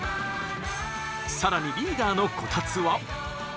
更にリーダーのこたつは。